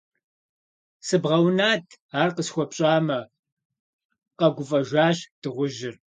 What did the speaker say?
- Сыбгъэунат, ар къысхуэпщӏамэ, - къэгуфӏэжащ дыгъужьыр.